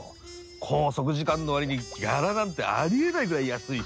拘束時間の割にギャラなんてありえないぐらい安いし。